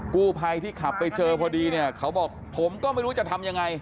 กู้ภัยที่ขับไปเจอพอดีเนี่ยเขาบอกผมก็ไม่รู้จะทำยังไง